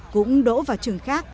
cũng đỗ phổ thông